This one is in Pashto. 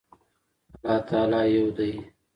الله تعالی يو ده